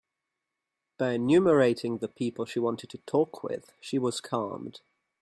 By enumerating the people she wanted to talk with, she was calmed.